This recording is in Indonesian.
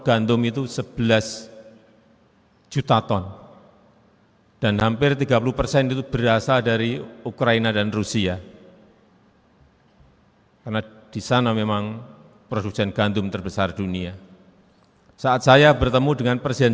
gantum sudah berat sudah gula sudah semuanya ngerim semuanya